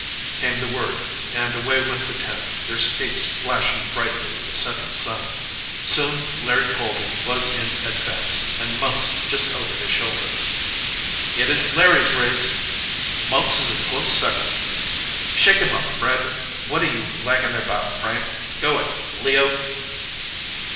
came the word, and away went the ten, their skates flashing brightly in the setting sun. Soon Larry Colby was in advance, with Mumps just over his shoulder. "It is Larry's race!" "Mumps is a close second!" "Shake 'em up, Fred! What are you lagging about, Frank? Go it, Leo!"